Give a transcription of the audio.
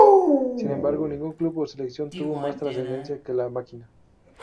Sin embargo, ningún club o selección tuvo más trascendencia que La Máquina.